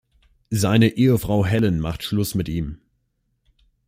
Seine Ehefrau Helen macht Schluss mit ihm.